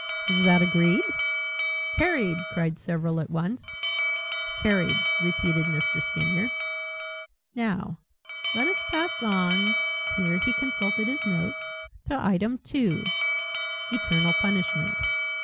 Is that agreed?" "Carried," cried several at once. "Carried," repeated Mr. Skinyer. "Now let us pass on" here he consulted his notes "to item two, eternal punishment.